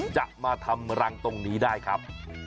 จะมาทำรังตรงนี้ได้ครับ